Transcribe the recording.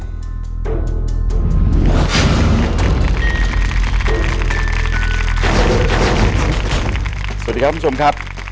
สวัสดีครับคุณผู้ชมครับ